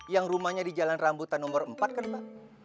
yang rumahnya di jalan rambutan nomor empat kan pak